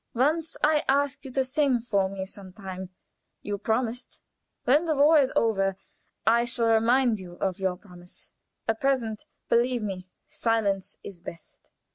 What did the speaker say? Once I asked you to sing for me some time: you promised. When the war is over I shall remind you of your promise. At present, believe me, silence is best.